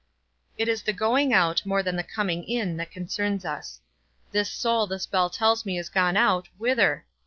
It is the going out, more than the coming in, that concerns us. This soul this bell tells me is gone out, whither?